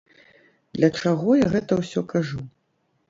Для чаго я гэта ўсё кажу?